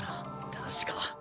確か。